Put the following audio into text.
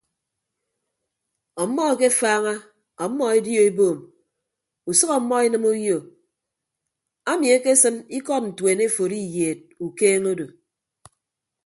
Ọmmọ akefaaña ọmmọ edio eboom usʌk ọmmọ enịme uyo ami ekesịn ikọd ntuen eforo iyeed ukeeñe odo.